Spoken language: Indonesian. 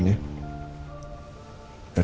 terima kasih pak al